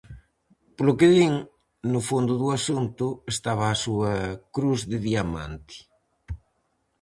Polo que din, no fondo do asunto estaba a súa cruz de diamante.